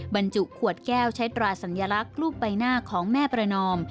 บรรจุขวดแก้วใช้ตราสัญลักษณ์รูปใบหน้าของแม่ประนอม